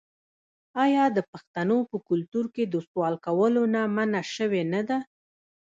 آیا د پښتنو په کلتور کې د سوال کولو نه منع شوې نه ده؟